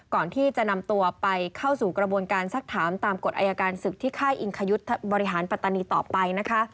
ก่อนที่จะนำตัวไปเข้าสู่กระบวนการสักถามตามกฎอายการศึกที่ค่ายอิงคยุทธ์บริหารปัตตานีต่อไปนะคะ